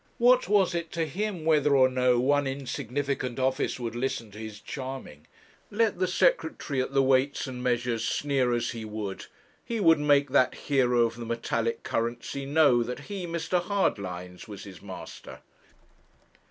What was it to him whether or no one insignificant office would listen to his charming? Let the Secretary at the Weights and Measures sneer as he would; he would make that hero of the metallic currency know that he, Mr. Hardlines, was his master.